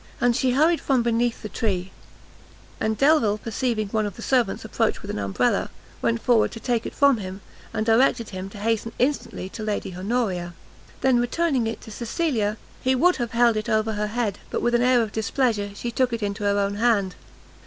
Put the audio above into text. And she hurried from beneath the tree; and Delvile perceiving one of the servants approach with an umbrella, went forward to take it from him, and directed him to hasten instantly to Lady Honoria. Then returning to Cecilia, he would have held it over her head, but with an air of displeasure, she took it into her own hand.